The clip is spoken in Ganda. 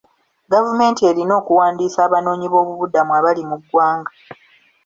Gavumenti erina okuwandiisa abanoonyiboobubudamu abali mu ggwanga.